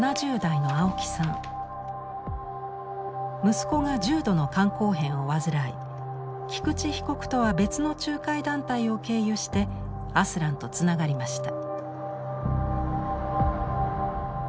息子が重度の肝硬変を患い菊池被告とは別の仲介団体を経由してアスランとつながりました。